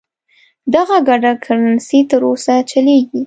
دغه ګډه کرنسي تر اوسه چلیږي.